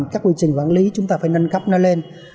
các quy trình quản lý chúng ta phải nâng cấp nó lên